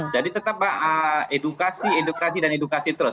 jadi tetap mbak edukasi edukasi dan edukasi terus